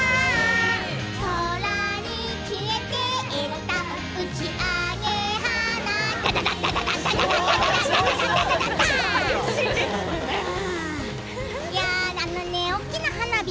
「空に消えてった打ち上げ花火」